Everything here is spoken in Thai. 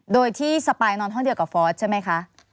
โดยที่สปายนอนห้องเดียวกับฟอสใช่ไหมคะ